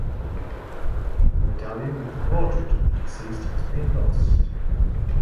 A medallion with the portrait of the deceased has been lost.